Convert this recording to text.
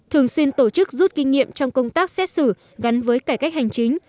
thường xuyên tổ chức rút kinh nghiệm trong công tác xét xử gắn với cải cách hành chính